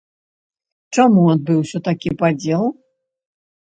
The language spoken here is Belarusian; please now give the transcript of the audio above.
Чаму адбыўся такі падзел?